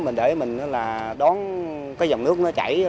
mình đợi mình đón dòng nước nó chảy